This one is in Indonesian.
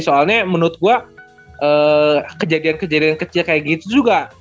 soalnya menurut gue kejadian kejadian kecil kayak gitu juga